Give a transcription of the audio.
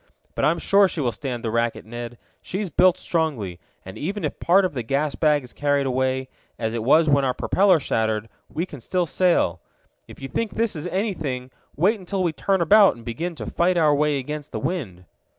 But I'm sure she will stand the racket, Ned. She's built strongly, and even if part of the gas bag is carried away, as it was when our propeller shattered, we can still sail. If you think this is anything, wait until we turn about and begin to fight our way against the wind."